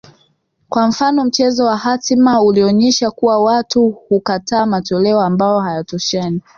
kwa mfano mchezo wa hatima ulionyesha kuwa watu hukataa matoleo ambayo hayatoshani